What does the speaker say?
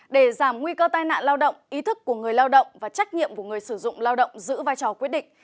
để giảm nguy cơ tai nạn lao động ý thức của người lao động và trách nhiệm của người sử dụng lao động giữ vai trò quyết định